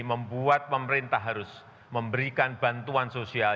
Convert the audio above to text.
membuat pemerintah harus memberikan bantuan sosial